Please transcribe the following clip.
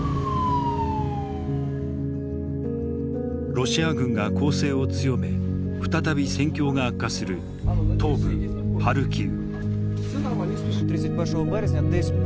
ロシア軍が攻勢を強め再び戦況が悪化する東部ハルキウ。